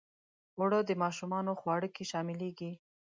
اوړه د ماشومانو خواړه کې شاملیږي